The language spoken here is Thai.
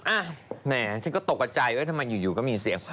อ่ะแหมฉันก็ตกใจว่าทำไมอยู่ก็มีเสียง